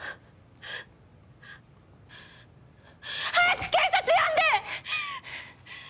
早く警察呼んで！！